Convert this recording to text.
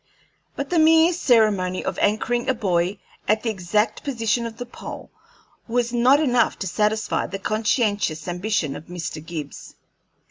But the mere ceremony of anchoring a buoy at the exact position of the pole was not enough to satisfy the conscientious ambition of Mr. Gibbs.